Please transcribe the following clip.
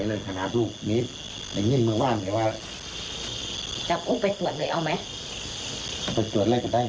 รู้รู้เลยทีนี้เออวิทยาลัยไงเนี้ยตำหลวดพอจับจ้าดเอง